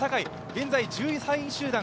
現在１３位集団。